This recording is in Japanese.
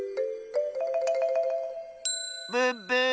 ブッブー！